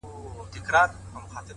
نظم ګډوډي کمزورې کوي,